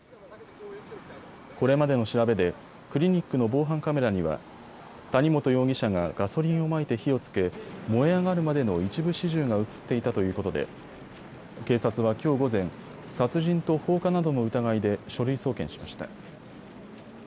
これまでの調べでクリニックの防犯カメラには谷本容疑者がガソリンをまいて火をつけ燃え上がるまでの一部始終が写っていたということで警察はきょう午前、殺人と放火などの疑いで書類送検しました。